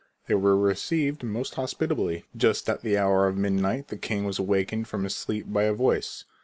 They were received most hospitably. Just at the hour of midnight the king was awakened from his sleep by a voice.